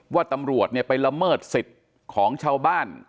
ว่าตำรวจไปละเมิดสิทธิ์ของชาวบ้าน